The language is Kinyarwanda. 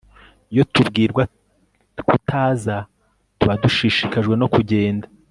iyo tubwirwa kutaza, tuba dushishikajwe no kugenda